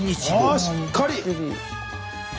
あしっかり！